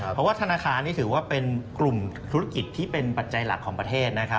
เพราะว่าธนาคารนี่ถือว่าเป็นกลุ่มธุรกิจที่เป็นปัจจัยหลักของประเทศนะครับ